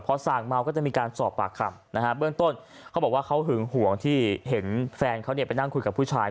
พอสั่งเมาก็จะมีการสอบปากคำนะฮะเบื้องต้นเขาบอกว่าเขาหึงห่วงที่เห็นแฟนเขาเนี่ยไปนั่งคุยกับผู้ชาย